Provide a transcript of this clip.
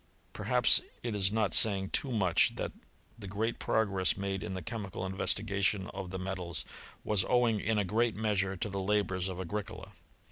Perhaps it is not saying too much, that the great progress made in the chemical investigation of the metals, was owing in a great measure to the labours of Agricola.